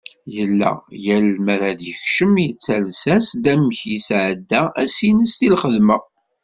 Yella yal mi ara d-yekcem yettales-as- d amek yesɛedda ass-ines di lxedma.